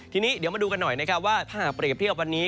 ทีนี้เดี๋ยวมาดูกันหน่อยนะครับว่าถ้าหากเปรียบเทียบวันนี้